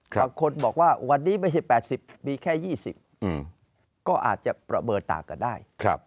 บางคนบอกว่าวันนี้ไม่ใช่๘๐มีแค่๒๐ก็อาจจะประเมินต่างกันได้